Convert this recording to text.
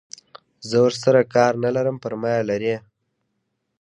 زه ورسره کار نه لرم پر ما یې لري.